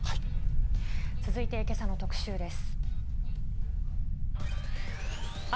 続いてけさの特シューです。